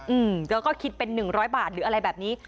อึ้มอึ้มแล้วก็คิดเป็น๑๐๐บาทหรืออะไรแบบนี้